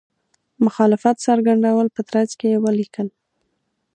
مخالفت څرګندولو په ترڅ کې ولیکل.